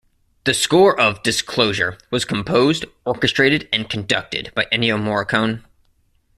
The score of "Disclosure" was composed, orchestrated and conducted by Ennio Morricone.